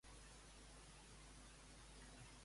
CeC aprova la nova direcció.